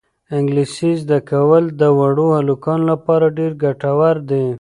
انګلیسي زده کول د وړو هلکانو لپاره ډېر ګټور دي.